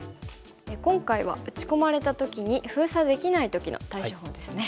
今回は打ち込まれた時に封鎖できない時の対処法ですね。